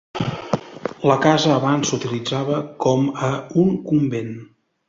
La casa abans s'utilitzava com a un convent.